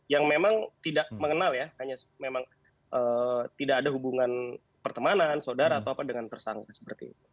yang memang tidak mengenal ya hanya memang tidak ada hubungan pertemanan saudara atau apa dengan tersangka seperti itu